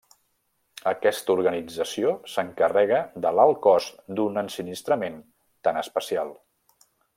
Aquesta organització s'encarrega de l'alt cost d'un ensinistrament tan especial.